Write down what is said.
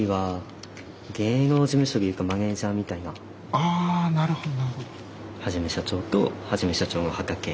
あなるほど。